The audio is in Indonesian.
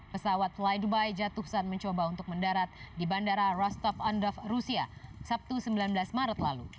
pesawat fly duby jatuh saat mencoba untuk mendarat di bandara rostov ondov rusia sabtu sembilan belas maret lalu